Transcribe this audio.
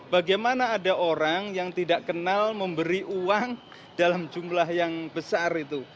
bagaimana ada orang yang tidak kenal memberi uang dalam jumlah yang besar itu